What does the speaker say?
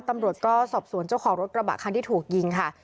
ตำรวจก็สอบสวนเจ้าของรถกระบะคันที่ถูกยิงค่ะ